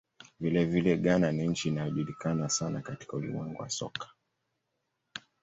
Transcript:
Vilevile, Ghana ni nchi inayojulikana sana katika ulimwengu wa soka.